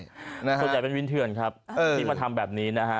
ส่วนใหญ่เป็นวินเถื่อนครับที่มาทำแบบนี้นะฮะ